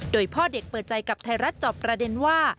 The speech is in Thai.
โดยพ่อเด็กเปิดใจกับไทยรัฐจอบประเด็นว่า